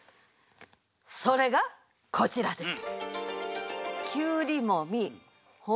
それがこちらです。